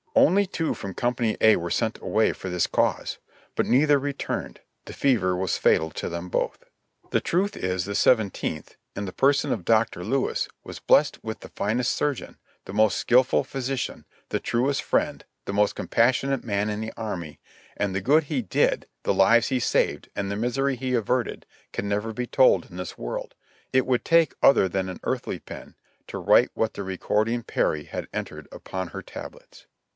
Only two from Company A were sent away for this cause ; but neither returned — the fever was fatal to them both. The truth is, the Seventeenth, in the person of Dr. Lewis, was blessed with the finest surgeon, the most skilful physician, the truest friend, the most compassionate man in the army, and the good he did, the lives he saved, and the misery he averted can never be told in this world; it would take other than an earthly pen to write what the recording Peri has entered upon her tablets.